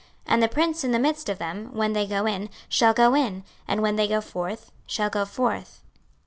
26:046:010 And the prince in the midst of them, when they go in, shall go in; and when they go forth, shall go forth.